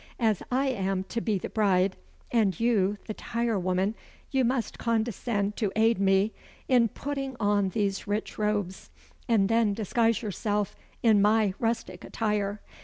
As I am to be the bride, and you the tire woman, you must condescend to aid me in putting on these rich robes and then disguise yourself in my rustic attire.